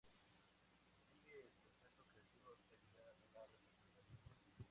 Sigue el proceso creativo hasta llegar a la representación.